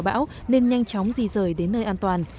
bão nên nhanh chóng di rời đến nơi an toàn